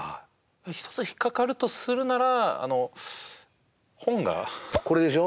あ一つ引っかかるとするならあの本がこれでしょ？